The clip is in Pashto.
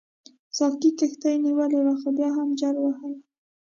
ساقي کښتۍ نیولې وه خو بیا هم جل وهله.